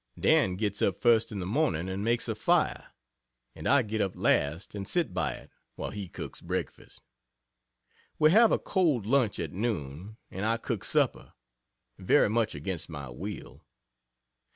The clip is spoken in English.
Dan gets up first in the morning and makes a fire and I get up last and sit by it, while he cooks breakfast. We have a cold lunch at noon, and I cook supper very much against my will.